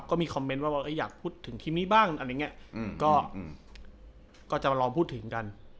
ก็มีคอมเมนต์ว่าอยากพูดถึงทีมนี้บ้างก็จะลองพูดถึงกัน